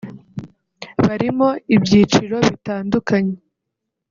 barimo ibyiciro bitandukanye